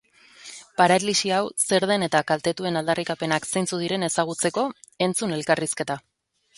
Paralisi hau zer den eta kaltetuen aldarrikapenak zeintzuk diren ezagutzeko, entzun elkarrizketa.